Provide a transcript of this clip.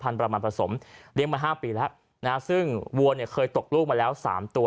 เลี้ยงมา๕ปีแล้วซึ่งวัวเคยตกลูกมาแล้ว๓ตัว